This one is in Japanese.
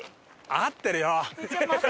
合ってるよ！